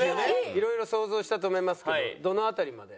いろいろ想像したと思いますけどどの辺りまで？